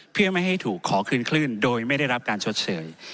เพื่อไม่ให้ถูกขอคืนคลื่นโดยไม่ได้รับการชดเชย